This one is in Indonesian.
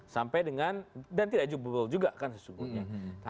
sampai dengan dan tidak jubel juga kan sesungguhnya